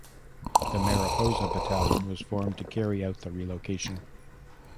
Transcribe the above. The Mariposa Battalion was formed to carry out the relocation.